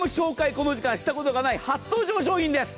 この時間帯、したことがない初登場商品です。